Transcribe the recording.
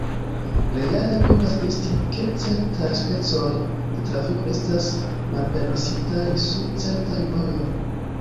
Reale povas esti, ke certaj specoj de trafiko estas malpermesitaj sur certaj vojoj.